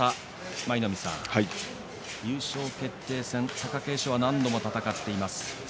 舞の海さん、優勝決定戦、貴景勝は何度も戦っています。